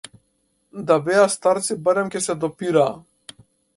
Да беа старци барем ќе се допираа.